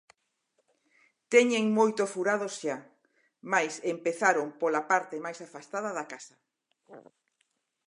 "Teñen moito furado xa, mais empezaron pola parte máis afastada da casa".